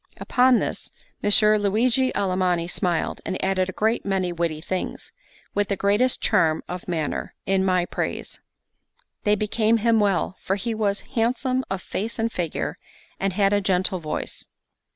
Upon this Messer Luigi Alamanni smiled, and added a great many witty things, with the greatest charm of manner, in my praise; they became him well, for he was handsome of face and figure, and had a gentle voice.